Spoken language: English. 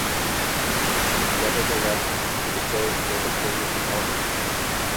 Nevertheless he declared for the king in August.